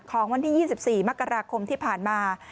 ของวันที่๒๔มกราคมที่ผ่านมา